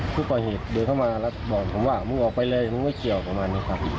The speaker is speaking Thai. ผู้ก่อเหตุเดินเข้ามาแล้วบอกผมว่ามึงออกไปเลยมึงไม่เกี่ยวประมาณนี้ครับ